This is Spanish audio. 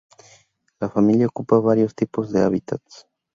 La familia ocupa varios tipos de hábitats.